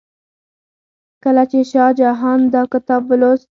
کله چې شاه جهان دا کتاب ولوست.